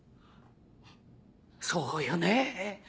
そうよね。